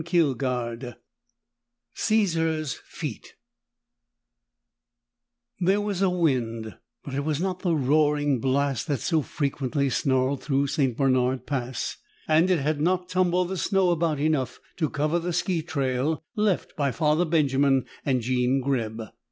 13: CAESAR'S FEAT There was a wind, but it was not the roaring blast that so frequently snarled through St. Bernard Pass and it had not tumbled the snow about enough to cover the ski trail left by Father Benjamin and Jean Greb.